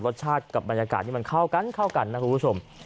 รสชาติกับบรรยากาศที่มันเข้ากันเข้ากันนะคุณผู้ชม